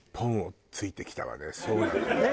そうなのよね。